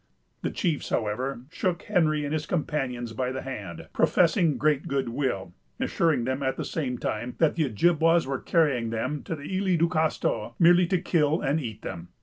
The chiefs, however, shook Henry and his companions by the hand, professing great good will, assuring them, at the same time, that the Ojibwas were carrying them to the Isles du Castor merely to kill and eat them.